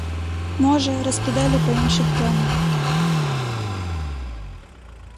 Можа, раскідалі па іншых тэмах.